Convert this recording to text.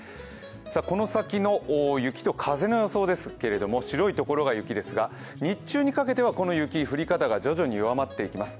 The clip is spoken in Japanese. この先の雪と風の予想ですけれども白いところが雪ですが日中にかけてはこの雪、降り方が徐々に弱まっていきます。